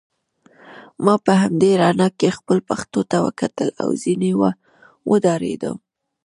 ما په همدې رڼا کې خپلو پښو ته وکتل او ځینې وډارېدم.